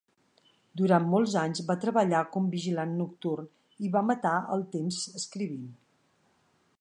Durant molts anys va treballar com vigilant nocturn i va matar el temps escrivint.